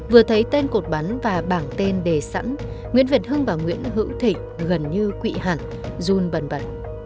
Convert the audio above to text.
vừa thấy tên cột bắn và bảng tên đề sẵn nguyễn việt hưng và nguyễn hữu thịnh gần như quỵ hẳn dùn bẩn bật